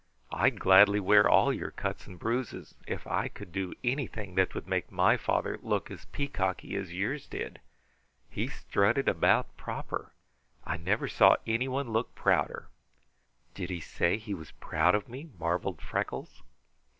I'd gladly wear all your cuts and bruises if I could do anything that would make my father look as peacocky as yours did. He strutted about proper. I never saw anyone look prouder." "Did he say he was proud of me?" marveled Freckles.